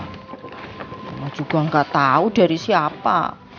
cuma juga nggak tahu dari siapa